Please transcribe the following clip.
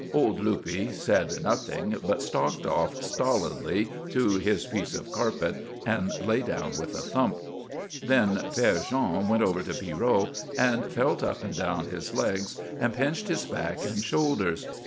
Old Luppe said nothing, but stalked off stolidly to his piece of carpet and lay down with a thump. Then Père Jean went over to Pierrot and felt up and down his legs and pinched his back and shoulders.